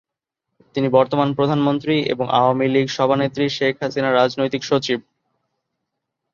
তিনি বর্তমান প্রধানমন্ত্রী এবং আওয়ামী লীগ সভানেত্রী শেখ হাসিনার রাজনৈতিক সচিব।